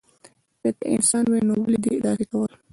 که ته انسان وای نو ولی دی داسی کول